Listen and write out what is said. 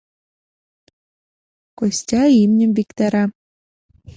Костя имньым виктара.